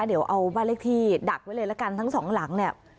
เดี๋ยวเอาบ้านเลขที่ดักไว้เลยละกันทั้งสองหลังเนี่ย